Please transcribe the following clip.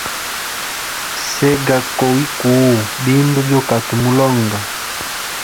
Sega kowi kuu bindu byokwete mulonga.